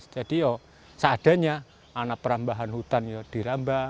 jadi seadanya perambah hutan dirambah